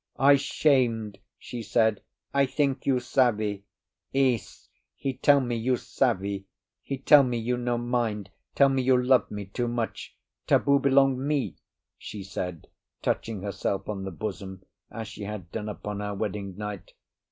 "I 'shamed," she said. "I think you savvy. Ese he tell me you savvy, he tell me you no mind, tell me you love me too much. Taboo belong me," she said, touching herself on the bosom, as she had done upon our wedding night.